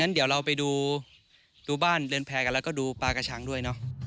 เดี๋ยวเราไปดูบ้านเรือนแพร่กันแล้วก็ดูปลากระชังด้วยเนอะ